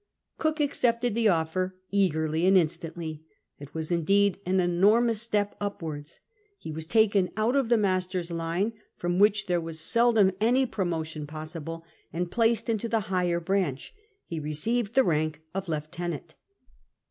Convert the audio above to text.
Cook accepted the offer eagerly and instantly. It was indeed an enormous step upwards; lie was taken out of the master's line, from which there was seldom any \)Vomotion ^Kissible, and placed into the higher branch ; he received the rank of lieutenant.